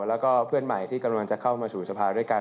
แล้วก็เพื่อนใหม่ที่กำลังจะเข้ามาสู่สภาด้วยกัน